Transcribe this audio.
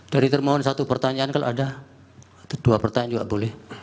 dari termohon satu pertanyaan kalau ada dua pertanyaan juga boleh